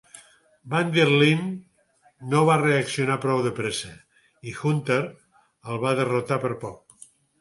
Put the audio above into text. Van Deerlin no va reaccionar prou de pressa, i Hunter el va derrotar per poc.